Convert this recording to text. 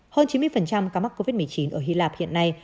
hơn chín mươi ca mắc covid một mươi chín ở hy lạp hiện nay